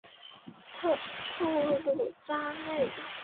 普卢扎内。